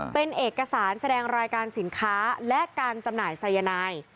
เป็นเอกสารแสดงรายการสินค้าและการจำหน่ายสายนาย